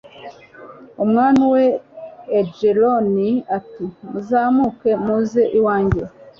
umwami wa egiloni, ati muzamuke muze iwanjye